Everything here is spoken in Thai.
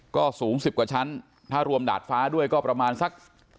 ก็สูง๑๐กว่าชั้นถ้ารวมดาดฟ้าด้วยก็ประมาณสัก